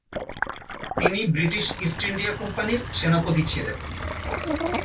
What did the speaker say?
তিনি British East India কোম্পানির সেনাপতি ছিলেন।